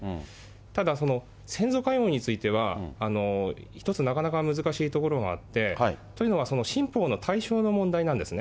ただその、先祖解怨については、一つ、なかなか難しいところがあって、というのは、新法の対象の問題なんですね。